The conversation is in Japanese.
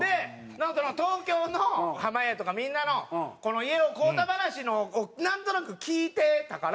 東京の、濱家とかみんなの家を買うた話をなんとなく聞いてたから。